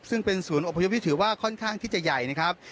ซึ่งเป็นศูนย์อบพยพที่ถือว่าค่อนข้างที่จะใหญ่นะครับ